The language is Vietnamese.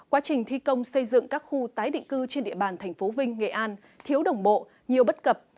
quá trình thi công xây dựng các khu tái định cư trên địa bàn tp vinh nghệ an thiếu đồng bộ nhiều bất cập